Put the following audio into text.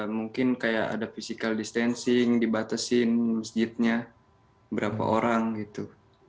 mungkin kayak ada physical distancing dibatasin masjidnya berapa orang gitu